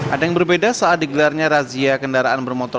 ada yang berbeda saat digelarnya razia kendaraan bermotor